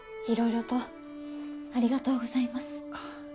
いろいろとありがとうございます。